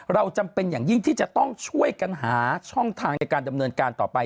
เราจำเป็นอย่างยิ่งที่จะต้องช่วยกันหาช่องทางในการดำเนินการต่อไป